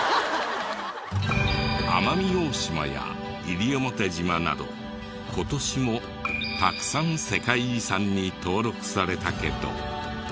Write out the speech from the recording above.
奄美大島や西表島など今年もたくさん世界遺産に登録されたけど。